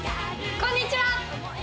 こんにちは！